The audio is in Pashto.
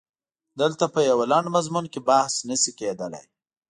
دلته په یوه لنډ مضمون کې بحث نه شي کېدلای.